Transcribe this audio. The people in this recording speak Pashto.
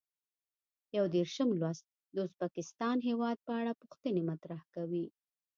یو دېرشم لوست د ازبکستان هېواد په اړه پوښتنې مطرح کوي.